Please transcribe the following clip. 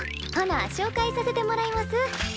ほな紹介させてもらいます。